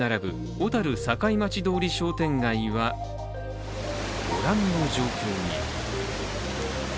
小樽堺町通り商店街はご覧の状況に。